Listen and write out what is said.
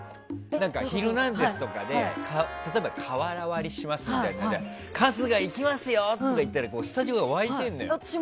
「ヒルナンデス！」とかで例えば瓦割りしますみたいになって春日、いきますよとか言うとスタジオが沸いているのよ。